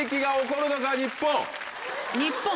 日本？